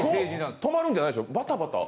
止まるんじゃないでしょ、バタバタ。